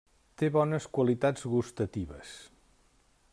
Té bones qualitats gustatives.